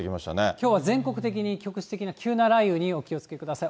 きょうは全国的に、局地的に急な雷雨にお気をつけください。